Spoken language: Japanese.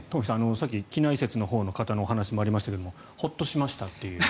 さっき畿内説のほうの方のお話もありましたがホッとしましたっていう。